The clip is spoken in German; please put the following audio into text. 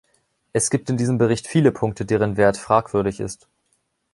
Es gibt in diesem Bericht viele Punkte, deren Wert fragwürdig ist.